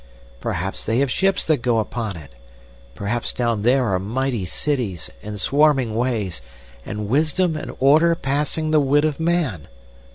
Perhaps they have ships that go upon it, perhaps down there are mighty cities and swarming ways, and wisdom and order passing the wit of man.